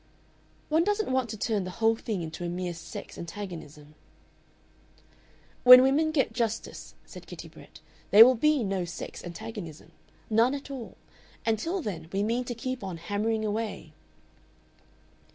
"One doesn't want to turn the whole thing into a mere sex antagonism." "When women get justice," said Kitty Brett, "there will be no sex antagonism. None at all. Until then we mean to keep on hammering away."